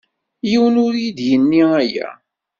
Yiwen ur iyi-d-yenni aya.